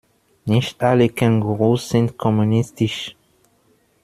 Nicht alle Kängurus sind kommunistisch.